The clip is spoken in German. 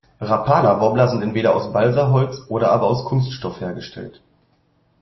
Rapala-Wobbler sind entweder aus Balsaholz oder aber aus Kunststoff hergestellt.